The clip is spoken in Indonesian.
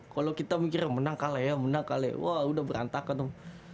kalau kita mikir menang kalah ya menang kalah wah udah berantakan dong